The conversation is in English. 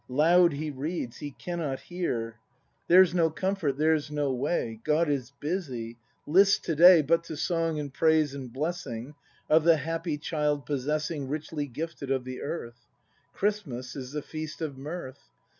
] Loud he read's, he cannot hear. There's no comfort. There's no way. God is busy: hsts to day But to song and praise and blessing Of the happy, child possessing, Richly gifted of the earth. Christmas is the feast of mirth.